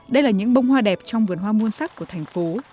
đây là những bông hoa đẹp trong vườn hoa muôn sắc của thành phố